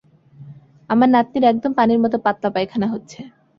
আমার নাতনির একদম পানির মত পাতলা পায়খানা হচ্ছে।